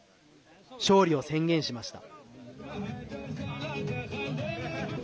勝利を宣言しました。